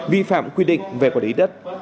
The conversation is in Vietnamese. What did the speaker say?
vi phạm quy định về quản lý đất